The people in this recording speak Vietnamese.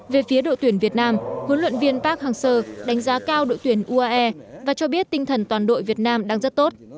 về phía đội tuyển việt nam huấn luyện viên park hang seo đánh giá cao đội tuyển uae và cho biết tinh thần toàn đội việt nam đang rất tốt